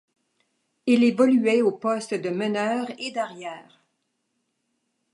Il évoluait aux postes de meneur et d'arrière.